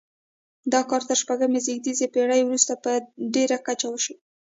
دا کار تر شپږمې زېږدیزې پیړۍ وروسته په ډیره کچه وشو.